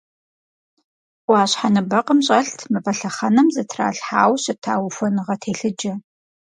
Ӏуащхьэ ныбэкъым щӀэлът мывэ лъэхъэнэм зэтралъхьауэ щыта ухуэныгъэ телъыджэ.